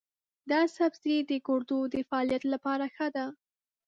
دا سبزی د ګردو د فعالیت لپاره ښه دی.